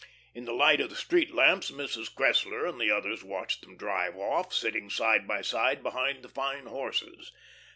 In the light of the street lamps Mrs. Cressler and the others watched them drive off, sitting side by side behind the fine horses.